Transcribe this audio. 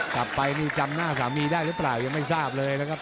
กลับไปนี่จำหน้าสามีได้หรือเปล่ายังไม่ทราบเลยนะครับ